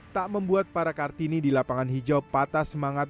tak membuat para kartini di lapangan hijau patah semangat